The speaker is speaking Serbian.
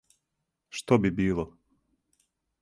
Што би било?